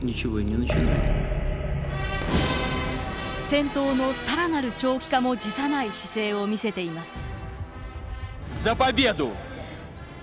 戦闘のさらなる長期化も辞さない姿勢を見せています。